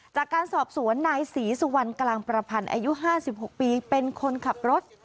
จากการสอบสวนนายศรีสุวรรณกลางประพันธ์อายุ๕๖ปีเป็นคนขับรถ